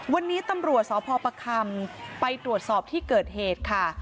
วันนี้ตำรวจสพประคำไปตรวจสอบที่เกิดเหตุค่ะ